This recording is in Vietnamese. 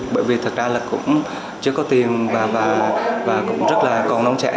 bởi vì thật ra là cũng chưa có tiền và cũng rất là còn nông trẻ